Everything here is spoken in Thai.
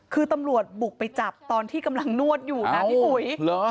คือตำรวจบุกไปจับตอนที่กำลังนวดอยู่นะพี่อุ๋ย